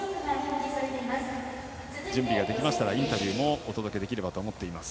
準備ができましたらインタビューをお届けできたらと思っています。